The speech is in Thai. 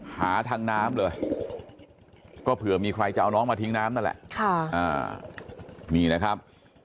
หาทางน้ำเลยก็เผื่อมีใครจะเอาน้องมาทิ้งน้ำนั่นแหละนี่นะครับ